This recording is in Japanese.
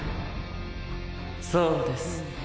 そうです。